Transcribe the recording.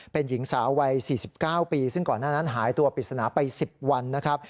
เป็นหญิงสาววัย๔๙ปีซึ่งก่อนหน้านั้นหายตัวปริศนาไป๑๐วันนะครับ